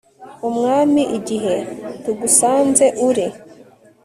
umwami; igihe tugusanze, uri